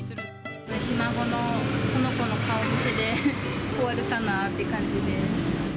ひ孫の、この子の顔見せで終わるかなって感じです。